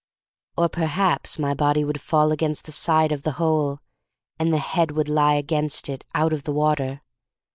Or perhaps my body would fall against the side of the hole, and the head would lie against it out of the water.